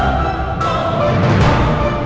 ada ya semangat delosan